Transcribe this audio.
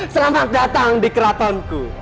selamat datang di keratanku